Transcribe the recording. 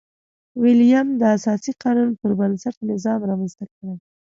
ویلیم د اساسي قانون پربنسټ نظام رامنځته کړي.